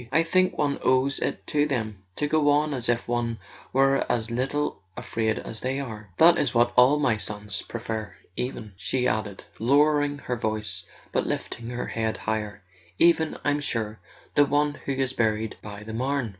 I think one owes it to them to go on as if one were as little afraid as they are. That is what [ 219 ] A SON AT THE FRONT all my sons prefer. .. Even," she added, lowering her voice but lifting her head higher, "even, I'm sure, the one who is buried by the Marne."